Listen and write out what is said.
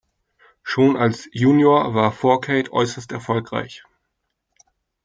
Schon als Junior war Fourcade äußerst erfolgreich.